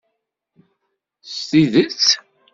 S tidett?